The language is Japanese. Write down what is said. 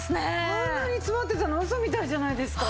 あんなに詰まってたのウソみたいじゃないですか。